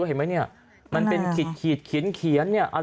เห็นไหมเนี่ยมันเป็นขีดเขียนเนี่ย